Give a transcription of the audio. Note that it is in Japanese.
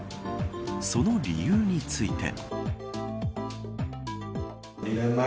その理由について。